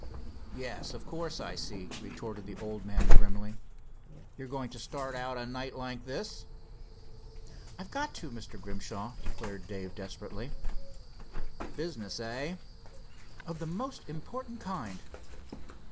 "Yes, of course I see," retorted the old man firmly. "You're going to start out a night like this." "I've got to, Mr. Grimshaw," declared Dave desperately. "Business, eh?" "Of the most important kind."